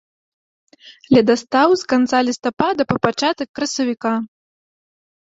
Ледастаў з канца лістапада па пачатак красавіка.